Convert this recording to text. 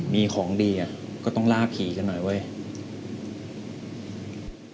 มีของดีอ่ะก็ต้องล่าผีกันหน่อยเว้ย